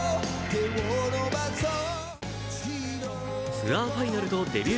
ツアーファイナルとデビュー